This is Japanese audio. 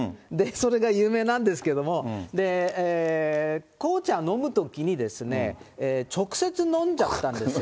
それが有名なんですけども、紅茶飲むときに、直接飲んじゃったんです。